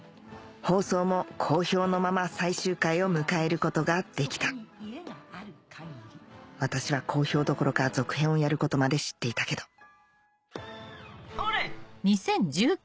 放送も好評のまま最終回を迎えることができた私は好評どころか続編をやることまで知っていたけどオレィ！